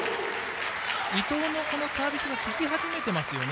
伊藤のサービスが効き始めてますよね。